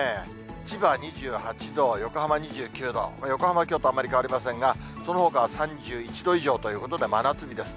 千葉２８度、横浜２９度、横浜はきょうとあまり変わりませんが、そのほかは３１度以上ということで、真夏日です。